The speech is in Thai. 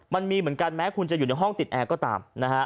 มันมีเหมือนกันแม้คุณจะอยู่ในห้องติดแอร์ก็ตามนะฮะ